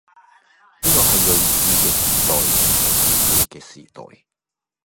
呢個係睿智嘅時代，呢個係愚昧嘅時代，